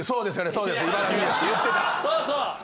そうそう。